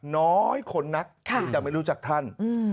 น้อยคนนักที่จะไม่รู้จักท่าน